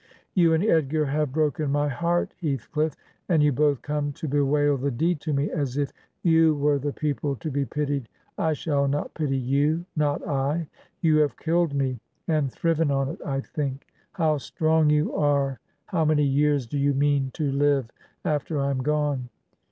'You and Edgar have broken my hearty HeathclifiF. And you both come to bewail the deed to me, as if you were the people to be pitied 1 I shall not pity you, not I. You have killed me, and thriven on it, I think. How strong you are! How many years do you mean to live after I am gone?'